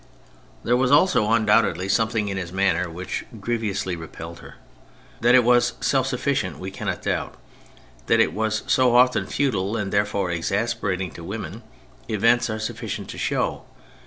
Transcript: There was also undoubt 64 THE FRENCH REVOLUTION edly something in his manner which grievously repelled her ; that it was self sufficient we cannot doubt, and that it was often futile and therefore exasperating to women, events are sufficient to show.